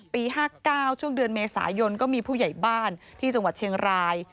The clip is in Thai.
ปี๕๙ช่วงเดือนเมษายนก็มีผู้ใหญ่บ้านที่จังหวัดเชียงราย